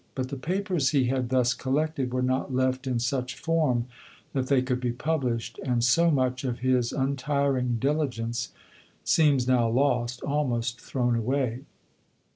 But the papers he had thus collected were not left in such form that they could be published; and so much of his untiring diligence seems now lost, almost thrown away.